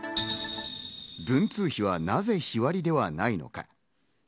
文通費はなぜ日割りではないのか。